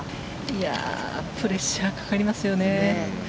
いやあ、プレッシャーがかかりますよね。